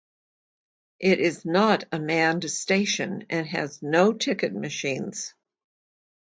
It is not a manned station and has no ticket machines.